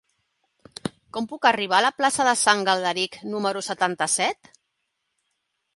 Com puc arribar a la plaça de Sant Galderic número setanta-set?